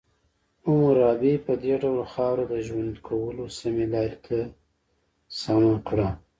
حموربي په دې ډول خاوره د ژوند کولو سمې لارې ته سمه کړه.